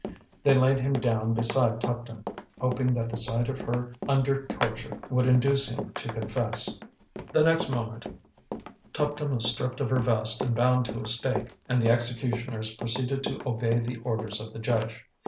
They laid him down beside Tuptim, hoping that the sight of her under torture would induce him to confess. [Illustration: A SIAMESE SLAVE GIRL.] The next moment Tuptim was stripped of her vest and bound to a stake, and the executioners proceeded to obey the orders of the judge.